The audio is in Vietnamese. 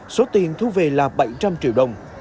số tiền thu về là bảy trăm linh triệu đồng